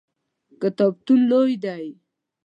کتابتون لوی دی؟